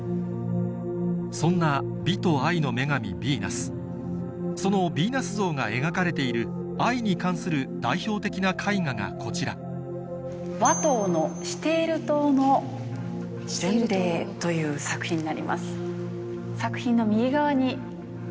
そんな美と愛の女神ヴィーナスそのヴィーナス像が描かれている愛に関する代表的な絵画がこちらという作品になります。